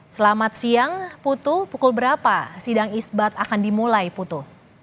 selamat siang putu pukul berapa sidang isbat akan dimulai putu